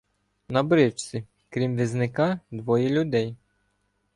На бричці, крім візника, двоє людей.